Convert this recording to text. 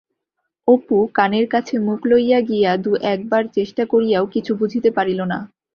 অপু কানের কাছে মুখ লইয়া গিয়া দু-একবার চেষ্টা করিয়াও কিছু বুঝিতে পারিল না।